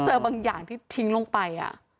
เจอบางอย่างที่ทิ้งลงไป